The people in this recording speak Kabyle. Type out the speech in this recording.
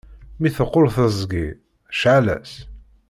Mi teqquṛ teẓgi, cɛel-as!